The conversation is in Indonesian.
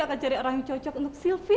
apa yang akan terjadi dengan silvi